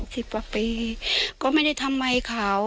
สิบกว่าปีก็ไม่ได้ทำไมเขา